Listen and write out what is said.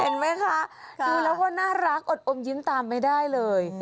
เห็นไหมคะดูแล้วก็น่ารักอดอมยิ้มตามไม่ได้เลย